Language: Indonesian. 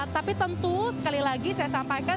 tapi tentu sekali lagi saya sampaikan